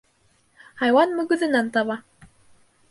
Хайуан мөгөҙөнән таба.